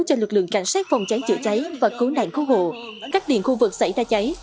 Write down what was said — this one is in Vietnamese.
cho lực lượng cảnh sát phòng cháy chữa cháy và cứu nạn cứu hộ cắt điện khu vực xảy ra cháy